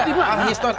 bapak ini ahistoris